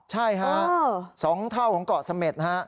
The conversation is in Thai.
ใช่ฮะ๒เท่าของเกาะเสม็ดฮะ